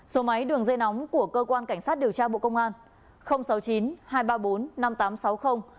số máy đường dây nóng của cơ quan cảnh sát điều tra bộ công an sáu mươi chín hai trăm ba mươi bốn năm nghìn tám trăm sáu mươi